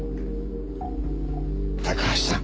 高橋さん